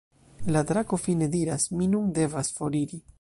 La drako fine diras: "Mi nun devas foriri".